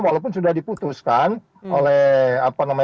walaupun sudah diputuskan oleh tni